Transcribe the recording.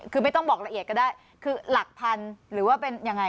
คือไม่ต้องบอกละเอียดก็ได้คือหลักพันธุ์หรือว่าเป็นยังไง